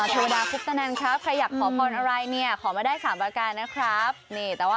ชวนครูปนั่นครับใครอยากขอพรอะไรเนี่ยขอมาได้สามบอกกานั๊ะครับนี่แล้ว